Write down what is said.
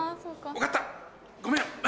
分かったごめん！